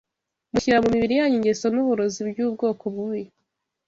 Mushyira mu mibiri yanyu ingeso n’uburozi by’ubwoko bubi